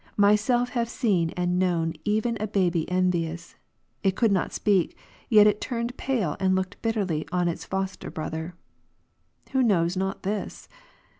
Myself have seen and known even a baby envious ; it could not speak, yet it turned pale, and looked bitterly on its foster brother. Who knows not this?